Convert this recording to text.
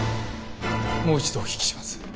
もう一度お聞きします